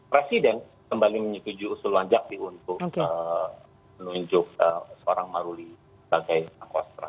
presiden kembali menyebutkan usul wanjaki untuk menunjuk seorang merulis